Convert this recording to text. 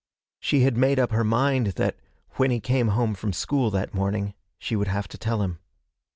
She had made up her mind that, when he came from school that morning, she would have to tell him.